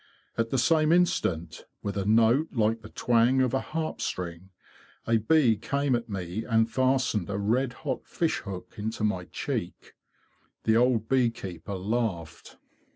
At the same instant, with a note like the twang of a harp string, a bee came at me and fastened a red hot fish hook into my cheek. The old bee keeper laughed.